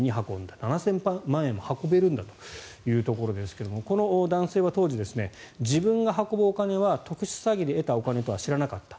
７０００万円も運べるんだというところですがこの男性は当時自分が運ぶお金は特殊詐欺で得たお金とは知らなかった。